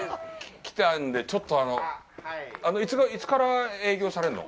いつから営業されるの？